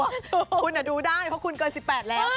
วิวเดียวดูได้เพราะว่าคุณเกิน๑๘แล้ว